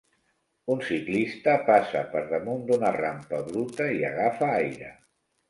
Un ciclista passa per damunt d'una rampa bruta i agafa aire